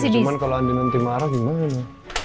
cuman kalau andi nanti marah gimana